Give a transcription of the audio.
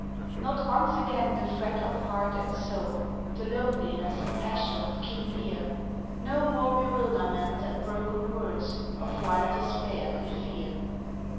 Not once again the fret of heart and soul, The loneliness and passion of King Lear; No more bewilderment and broken words Of wild despair and fear.